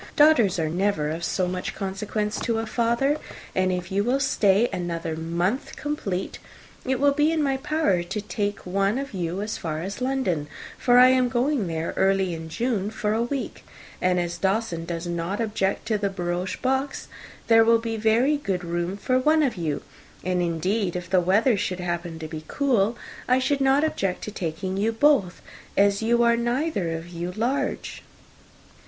Daughters are never of so much consequence to a father. And if you will stay another month complete, it will be in my power to take one of you as far as London, for I am going there early in June, for a week; and as Dawson does not object to the barouche box, there will be very good room for one of you and, indeed, if the weather should happen to be cool, I should not object to taking you both, as you are neither of you large."